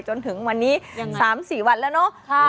จนถึงวันนี้๓๔วันแล้วเนอะ